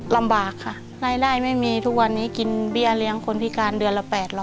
ลำบากค่ะรายได้ไม่มีทุกวันนี้กินเบี้ยเลี้ยงคนพิการเดือนละ๘๐๐